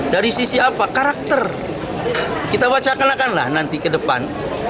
dari sisi apa karakter kita bacakan akanlah nanti ke depan